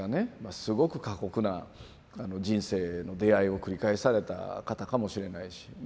すごく過酷な人生の出会いを繰り返された方かもしれないしま